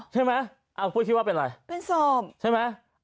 ใช่ไหมปุ้ยคิดว่าเป็นอะไรเป็นศพใช่ไหม